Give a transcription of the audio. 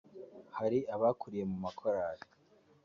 hari abakuriye mu makorali